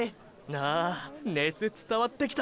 ああ熱つたわってきた！